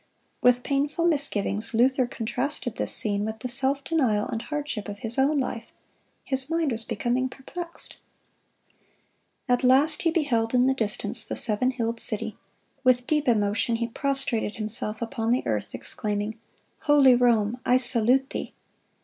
With painful misgivings Luther contrasted this scene with the self denial and hardship of his own life. His mind was becoming perplexed. At last he beheld in the distance the seven hilled city. With deep emotion he prostrated himself upon the earth, exclaiming, "Holy Rome, I salute thee!"